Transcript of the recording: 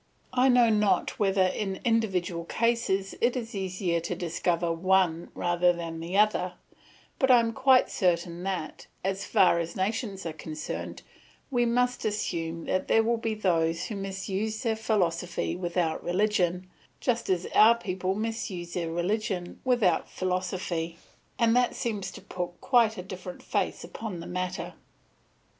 I know not whether in individual cases it is easier to discover one rather than the other; but I am quite certain that, as far as nations are concerned, we must assume that there will be those who misuse their philosophy without religion, just as our people misuse their religion without philosophy, and that seems to put quite a different face upon the matter.